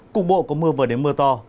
cục bộ có mưa vừa đến mưa to